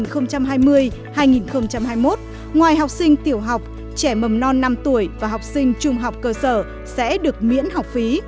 từ năm học hai nghìn hai mươi hai nghìn hai mươi một ngoài học sinh tiểu học trẻ mầm non năm tuổi và học sinh trung học cơ sở sẽ được miễn học phí